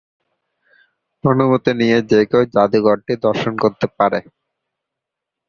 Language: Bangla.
অনুমতি নিয়ে যে কেউ জাদুঘরটি দর্শন করতে পারে।